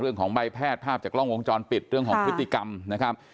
เรื่องของใบแพทย์ภาพจากกล้องวงจรปิดเรื่องของพฤติกรรมนะครับ